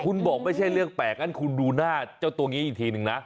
คุณบอกไม่ใช่เรื่องแปลกงั้นคุณดูหน้าเจ้าตัวนี้อีกทีนึงนะ